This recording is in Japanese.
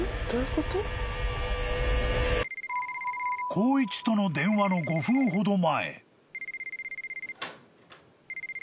［コウイチとの電話の５分ほど前］